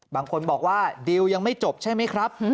บางคนบอกว่าดิวยังไม่จบใช่ไหมครับ